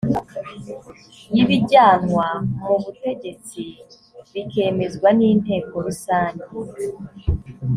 ybijyanwa mu ubutegetsi bikemezwa n inteko rusange